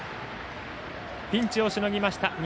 ピンチをしのぎました。